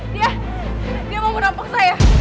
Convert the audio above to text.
dia dia mau merampok saya